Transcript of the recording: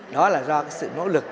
đó là do sự nỗ lực